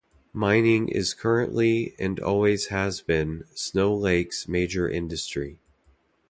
Mining is currently, and always has been, Snow Lake's major industry.